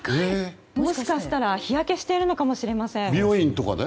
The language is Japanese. もしかしたら、日焼けしているのかもしれません。